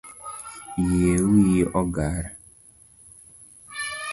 Yie wiyi ogar